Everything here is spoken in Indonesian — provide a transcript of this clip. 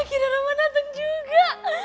akhirnya roman dateng juga